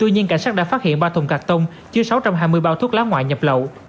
nhưng cảnh sát đã phát hiện ba thùng cắt tông chứa sáu trăm hai mươi bao thuốc lá ngoại nhập lậu